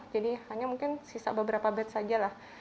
jadi hanya mungkin sisa beberapa bed saja